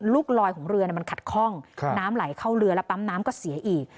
ลูกลอยของเรือมันขัดข้องน้ำไหลเข้าเรือแล้วปั๊มน้ำก็เสียอีก